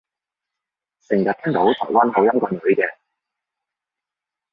成日聽到台灣口音個女嘅